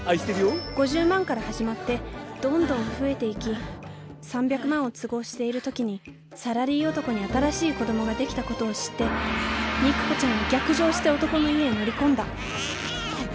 ５０万から始まってどんどん増えていき３００万を都合している時にサラリー男に新しい子供ができたことを知って肉子ちゃんは逆上して男の家へ乗り込んだ。